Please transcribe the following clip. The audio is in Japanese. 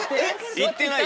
行ってない。